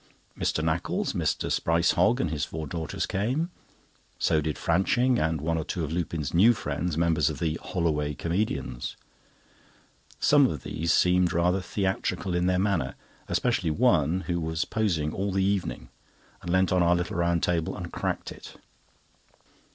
Mr. Nackles, Mr. Sprice Hogg and his four daughters came; so did Franching, and one or two of Lupin's new friends, members of the "Holloway Comedians." Some of these seemed rather theatrical in their manner, especially one, who was posing all the evening, and leant on our little round table and cracked it.